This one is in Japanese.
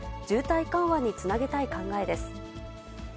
渋滞緩和につなげたい考えです。